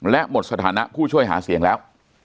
และหมดสถานะผู้ช่วยหาเสียงแล้ว